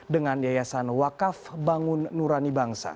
dengan yayasan wakaf bangun nurani bangsa